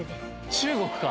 中国か！